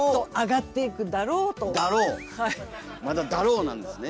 まだ「だろう」なんですね。